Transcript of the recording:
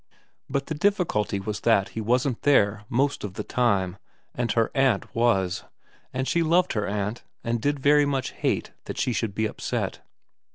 But the difficulty was that he wasn't there most of the time, and her aunt was, and she loved her aunt and did very much hate that she should be upset.